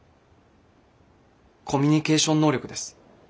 コミュニケーション能力です。